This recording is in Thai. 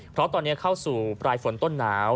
เพราะตอนนี้เข้าสู่ปลายฝนต้นหนาว